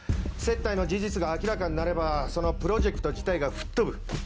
接待の事実が明らかになればそのプロジェクト自体が吹っ飛ぶ。